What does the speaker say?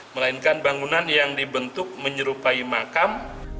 melainkan bangunan yang dibentuk menyerupai makam